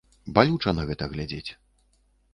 Балюча на гэта глядзець.